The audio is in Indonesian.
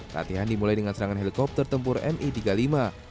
latihan dimulai dengan serangan helikopter tempur mi tiga puluh lima